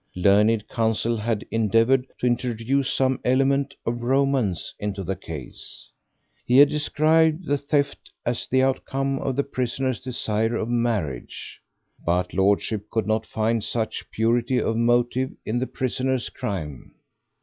Learned counsel had endeavoured to introduce some element of romance into the case; he had described the theft as the outcome of the prisoner's desire of marriage, but lordship could not find such purity of motive in the prisoner's crime.